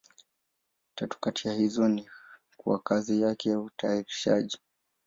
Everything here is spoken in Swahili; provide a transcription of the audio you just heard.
Tatu kati ya hizo ni kwa kazi yake ya utayarishaji.